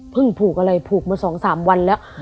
ผูกอะไรผูกมา๒๓วันแล้ว